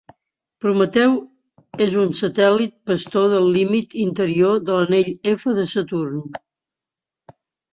Prometeu és un satèl·lit pastor del límit interior de l'Anell F de Saturn.